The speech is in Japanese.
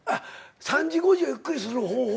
３時５時をゆっくりにする方法？